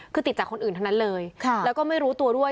คือติดจากคนอื่นทั้งนั้นเลยแล้วก็ไม่รู้ตัวด้วย